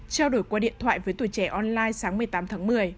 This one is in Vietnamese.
trao đổi qua điện thoại với tuổi trẻ online sáng một mươi tám tháng một mươi